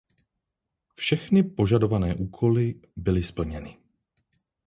Všechny požadované úkoly byly splněny.